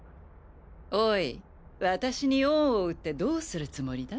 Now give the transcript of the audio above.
おい私に恩を売ってどうするつもりだ？